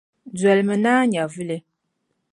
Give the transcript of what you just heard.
Dolimi naa nyɛvili.